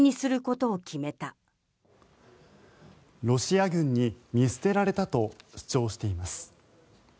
ロシア軍に見捨てられたと主張しています。